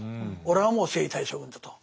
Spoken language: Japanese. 俺はもう征夷大将軍だと。